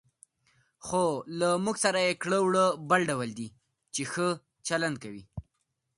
خو له موږ سره یې کړه وړه بل ډول دي، چې ښه چلند کوي.